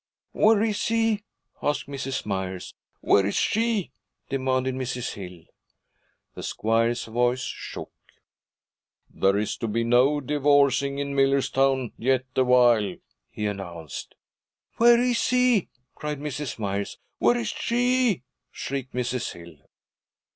'Where is he?' asked Mrs. Myers. 'Where is she?' demanded Mrs. Hill. The squire's voice shook. 'There is to be no divorcing in Millerstown yet awhile,' he announced. 'Where is he?' cried Mrs. Myers. 'Where is she?' shrieked Mrs. Hill.